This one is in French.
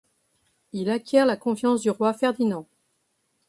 Il acquiert la confiance du roi Ferdinand.